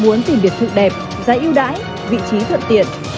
muốn tìm biệt thự đẹp giá yêu đãi vị trí thuận tiện